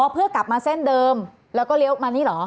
เพื่อกลับมาเส้นเดิมแล้วก็เลี้ยวมานี่เหรอ